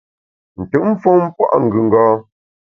Ntùt mfon pua’ ngùnga.